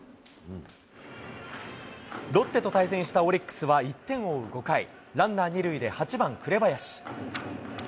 ロッテと対戦したオリックスは１点を追う５回、ランナー２塁で８番紅林。